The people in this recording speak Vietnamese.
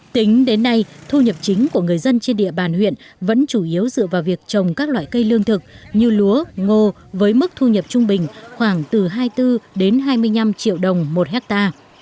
tính đến nay thu nhập chính của người dân trên địa bàn huyện vẫn chủ yếu dựa vào việc trồng các loại cây lương thực như lúa ngô với mức thu nhập trung bình khoảng từ hai mươi bốn đến hai mươi năm triệu đồng một hectare